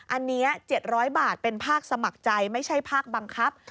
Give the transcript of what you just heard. อันนี้๗๐๐บาทเป็นภาคสมัครใจไม่ใช่ภาคบังคับ